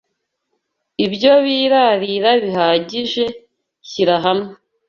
Ibyo birarira bihagije. Shyira hamwe.